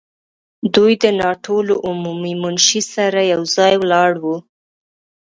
دوی د ناټو له عمومي منشي سره یو ځای ولاړ وو.